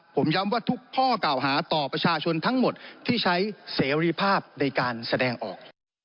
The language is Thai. ผมย้ำว่าทุกข้อกล่าวหาต่อประชาชนทั้งหมดที่ใช้เสรีภาพในการแสดงออก